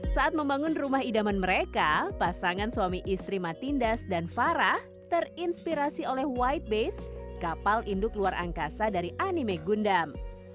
saat membangun rumah idaman mereka pasangan suami istri matindas dan farah terinspirasi oleh white base kapal induk luar angkasa dari anime gundam